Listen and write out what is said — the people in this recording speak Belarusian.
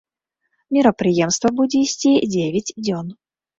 Мерапрыемства будзе ісці дзевяць дзён.